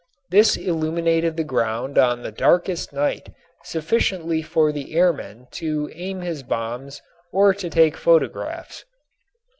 This illuminated the ground on the darkest night sufficiently for the airman to aim his bombs or to take photographs.